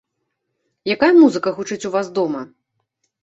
Якая музыка гучыць у вас дома?